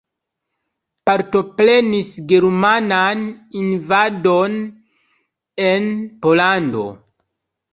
Partoprenis germanan invadon en Pollando.